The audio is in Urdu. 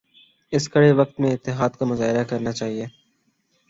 اس کڑے وقت میں اتحاد کا مظاہرہ کرنا چاہئے